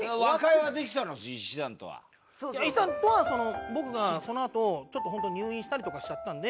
医師団とは僕がそのあとちょっとホントに入院したりとかしちゃったんで。